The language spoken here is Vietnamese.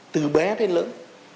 từ bé đến lớn